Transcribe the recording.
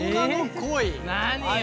何よ。